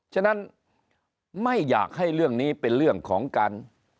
ฉะนั้นไม่อยากให้เรื่องนี้เป็นเรื่องของการ